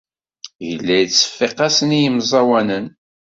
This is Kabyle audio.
Yella yettseffiq-asen i yemẓawanen.